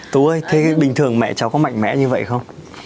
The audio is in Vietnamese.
tú ơi thấy bình thường mẹ cháu có mạnh mẽ như vậy không